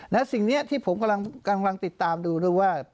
นะสิ่งเนี้ยผมกำลังติดตามดูดูว่า